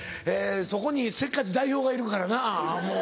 そこにせっかち代表がいるからなもう。